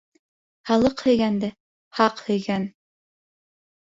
Халыҡ һөйгәнде хаҡ һөйгән.